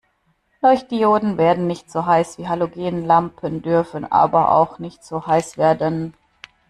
Leuchtdioden werden nicht so heiß wie Halogenlampen, dürfen aber auch nicht so heiß werden.